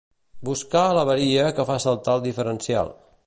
Buscar l'avaria que fa saltar el diferencial